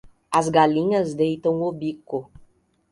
As galinhas deitam o bico.